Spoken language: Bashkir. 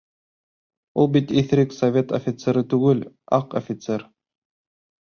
Ул бит иҫерек совет офицеры түгел, аҡ офицер!